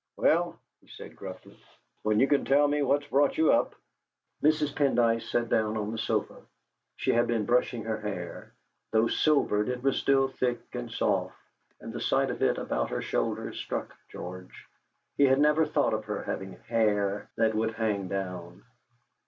"Well," he said gruffly, "when you can tell me what's brought you up " Mrs. Pendyce sat down on the sofa. She had been brushing her hair; though silvered, it was still thick and soft, and the sight of it about her shoulders struck George. He had never thought of her having hair that would hang down.